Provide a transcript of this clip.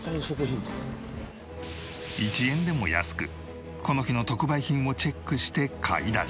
１円でも安くこの日の特売品をチェックして買い出し。